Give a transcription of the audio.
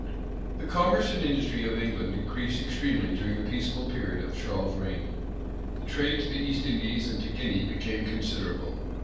[*] The commerce and industry of England increased extremely during the peaceable period of Charles's reign: the trade to the East Indies and to Guinea became considerable.